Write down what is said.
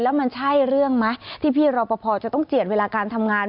แล้วมันใช่เรื่องไหมที่พี่รอปภจะต้องเจียดเวลาการทำงาน